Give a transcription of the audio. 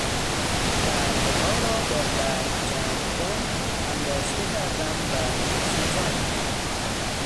برگها را با برگ جمع کن انباشته کردم و سوزاندم.